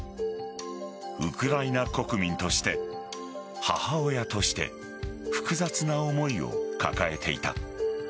ウクライナ国民として母親として複雑な思いを抱えていた。